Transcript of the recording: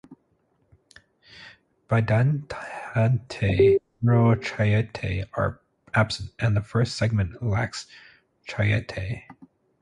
Bidentate neurochaetae are absent and The first segment lacks chaetae.